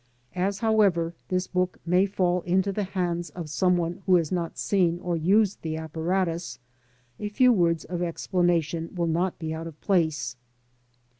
As, however, this book may fall into the hands of someone who has not seen or used the apparatus, a few words of explanation will not be out of place.